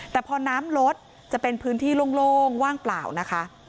แต่พอน้ำลดจะเป็นพื้นที่โล่งว่างเปล่านะคะ